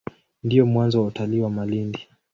Ndio mwanzo wa utalii wa Malindi.